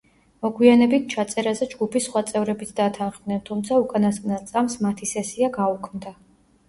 მოგვიანებით ჩაწერაზე ჯგუფის სხვა წევრებიც დათანხმდნენ, თუმცა უკანასკნელ წამს მათი სესია გაუქმდა.